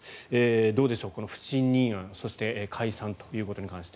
どうでしょう、この不信任案そして解散ということに関して。